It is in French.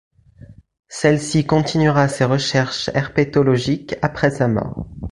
Celle-ci continuera ses recherches herpétologiques après sa mort.